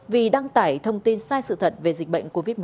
vì đăng tải thông tin sai sự thật về dịch bệnh covid một mươi chín